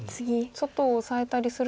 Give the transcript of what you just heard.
外をオサえたりすると。